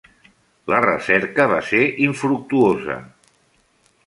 La recerca va ser infructuosa.